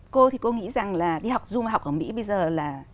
cô thì cô nghĩ rằng là đi học du học ở mỹ bây giờ là